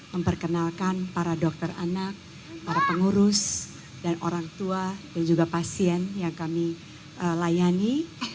memperkenalkan para dokter anak para pengurus dan orang tua dan juga pasien yang kami layani